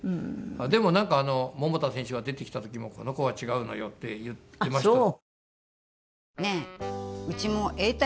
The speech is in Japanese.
でもなんか桃田選手が出てきた時も「この子は違うのよ」って言ってました。